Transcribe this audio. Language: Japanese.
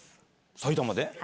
埼玉で？